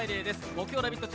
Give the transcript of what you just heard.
木曜「ラヴィット！」